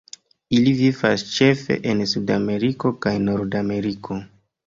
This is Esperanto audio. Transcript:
Ili vivas ĉefe en Sudameriko kaj Nordameriko.